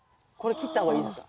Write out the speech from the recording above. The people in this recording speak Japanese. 切った方がいいですね。